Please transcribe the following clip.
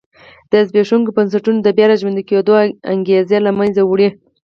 د زبېښونکو بنسټونو د بیا را ژوندي کېدو انګېزې له منځه وړي.